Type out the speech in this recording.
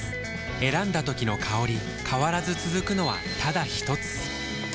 選んだ時の香り変わらず続くのはただひとつ？